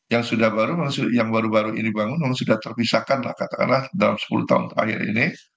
yang sudah baru yang baru baru ini bangun dan sudah terpisahkan lah katakanlah dalam sepuluh tahun terakhir ini